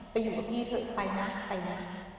ไปอยู่กับพี่เถอะไปนะไปนะ